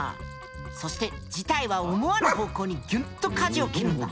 そして事態は思わぬ方向にギュンと舵を切るんだ。